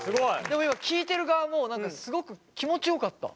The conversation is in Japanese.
でも今聞いてる側もすごく気持ちよかった。